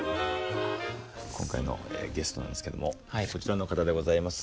今回のゲストなんですけどもこちらの方でございます。